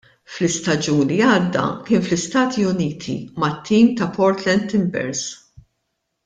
Fl-istaġun li għadda kien fl-Istati Uniti mat-tim ta' Portland Timbers.